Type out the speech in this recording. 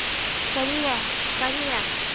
Фәниә, Сания!